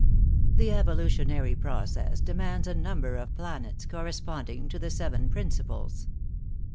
"The evolutionary process demands a number of planets, corresponding to the seven principles.